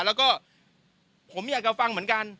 แล้วก็ผมอยากจะฟังเหมือนกัน